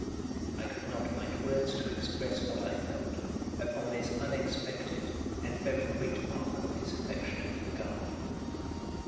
I could not find words to express what I felt upon this unexpected and very great mark of his affectionate regard.